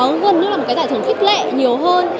nó gần như là một cái giải thưởng khích lệ nhiều hơn